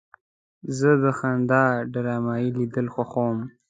زه د خندا ډرامې لیدل خوښوم.